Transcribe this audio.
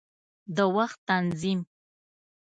د وخت تنظیم